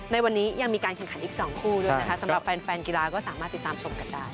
ในวันนี้ยังมีการแข่งขันอีก๒คู่ด้วยนะคะสำหรับแฟนกีฬาก็สามารถติดตามชมกันได้